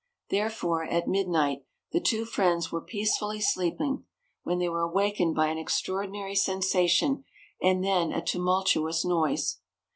Therefore, at midnight the two friends were peacefully sleeping, when they were awakened by an extraordinary sensation and then a tumultuous noise.